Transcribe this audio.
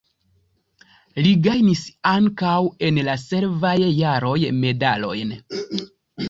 Li gajnis ankaŭ en la sekvaj jaroj medalojn.